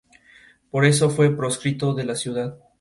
Santos Dávila Arizpe fue un militar mexicano.